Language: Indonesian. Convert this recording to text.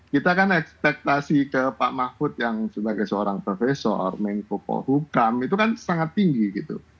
kita kan ekspektasi ke pak mahfud yang sebagai seorang profesor menko polhukam itu kan sangat tinggi gitu